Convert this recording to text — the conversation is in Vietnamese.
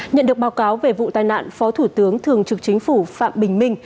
nhận được báo cáo về vụ tai nạn phó thủ tướng thường trực chính phủ phạm bình minh